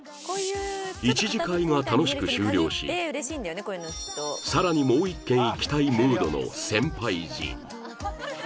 １次会が楽しく終了し更にもう一軒行きたいムードの先輩陣